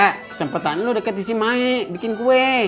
kesempatan lo deketin si mae bikin kue